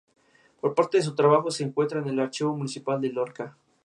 Fue el primer judío practicante miembro del gabinete británico.